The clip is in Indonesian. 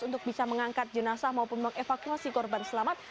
untuk bisa mengangkat jenazah maupun memiliki evakuasi korban selamat